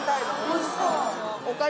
おいしそう。